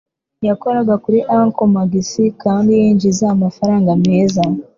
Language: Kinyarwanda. Yakoraga kuri Uncle Max, kandi yinjiza amafaranga meza